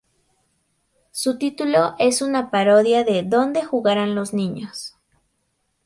Su título es una parodia de "¿Dónde jugarán los niños?